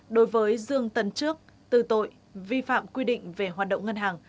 đối với dương tấn trước tư tội vi phạm quy định về hoạt động ngân hàng